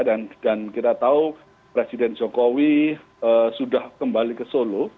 dan kita tahu presiden jokowi sudah kembali ke solo